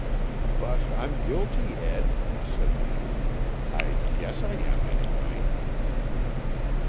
"But I'm guilty, Ed," said Peter. "I guess I am, anyway."